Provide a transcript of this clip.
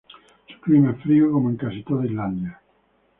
Su clima es frío como en casi toda Islandia.